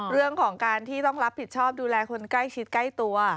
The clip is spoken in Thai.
เรื่องของการที่ต้องรับผิดชอบดูแลคนใกล้ชิดใกล้ตัว